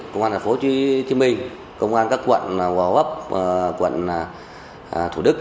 công an thành phố hồ chí minh công an các quận hồ hóa bấp quận thủ đức